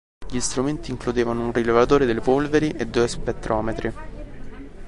Gli strumenti includevano un rilevatore delle polveri e due spettrometri.